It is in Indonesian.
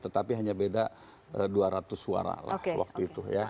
tetapi hanya beda dua ratus suara lah waktu itu ya